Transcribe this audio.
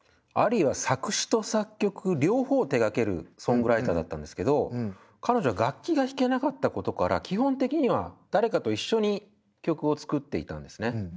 アリーは作詞と作曲両方を手がけるソングライターだったんですけど彼女は楽器が弾けなかったことから基本的には誰かと一緒に曲を作っていたんですね。